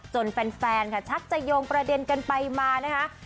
แฟนค่ะชักจะโยงประเด็นกันไปมานะคะ